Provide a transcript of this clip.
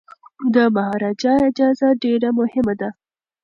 د مهاراجا اجازه ډیره مهمه ده.